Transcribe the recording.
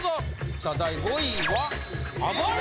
さあ第５位は。